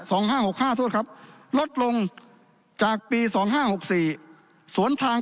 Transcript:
ห้าหกห้าโทษครับลดลงจากปีสองห้าหกสี่สวนทาง